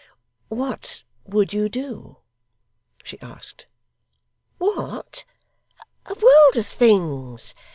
'What would you do?' she asked. 'What! A world of things.